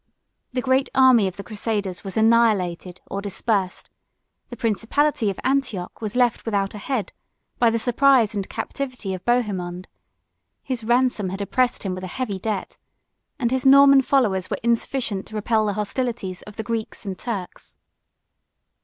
The great army of the crusaders was annihilated or dispersed; the principality of Antioch was left without a head, by the surprise and captivity of Bohemond; his ransom had oppressed him with a heavy debt; and his Norman followers were insufficient to repel the hostilities of the Greeks and Turks.